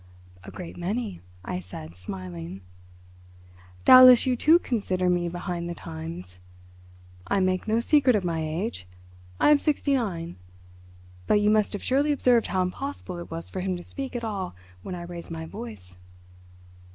"A great many," I said, smiling. "Doubtless you too consider me behind the times. I make no secret of my age; I am sixty nine; but you must have surely observed how impossible it was for him to speak at all when I raised my voice."